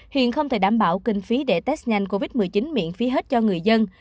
hiện không thể đảm bảo kinh phí để test nhanh covid một mươi chín miễn phí hết cho người dân